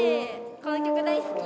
この曲大好き！